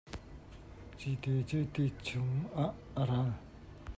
Cite cu ti chungah a ral.